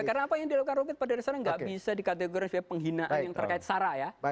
karena apa yang dilakukan roket pada dasarnya gak bisa dikategorikan sebagai penghinaan yang terkait sarah ya